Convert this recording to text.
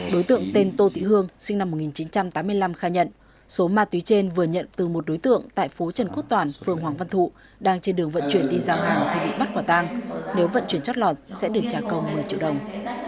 đối tượng tên tô thị hương sinh năm một nghìn chín trăm tám mươi năm khai nhận số ma túy trên vừa nhận từ một đối tượng tại phố trần quốc toàn phường hoàng văn thụ đang trên đường vận chuyển đi giao hàng thì bị bắt quả tang nếu vận chuyển chót lọt sẽ được trả công một mươi triệu đồng